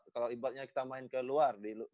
kalau ibaratnya kita main ke luar